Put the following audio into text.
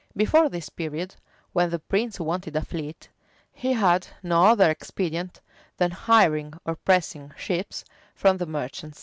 Before this period, when the prince wanted a fleet, he had no other expedient than hiring or pressing ships from the merchants.